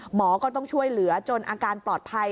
หมอก็ต้องช่วยเหลือจนอาการปลอดภัย